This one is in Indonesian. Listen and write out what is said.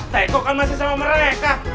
teko kan masih sama mereka